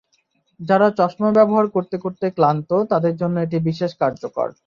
যাঁরা চশমা ব্যবহার করতে করতে ক্লান্ত, তাঁদের জন্য এটি বিশেষ কার্যকর।